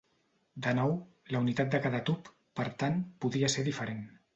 De nou, la unitat de cada tub, per tant, podria ser diferent.